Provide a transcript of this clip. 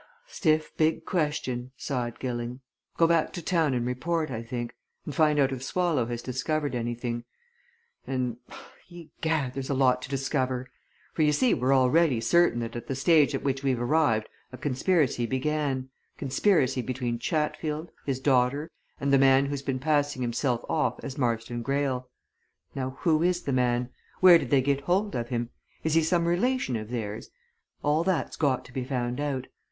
"Stiff, big question," sighed Gilling. "Go back to town and report, I think and find out if Swallow has discovered anything. And egad! there's a lot to discover! For you see we're already certain that at the stage at which we've arrived a conspiracy began conspiracy between Chatfield, his daughter, and the man who's been passing himself off as Marston Greyle. Now, who is the man? Where did they get hold of him? Is he some relation of theirs? All that's got to be found out.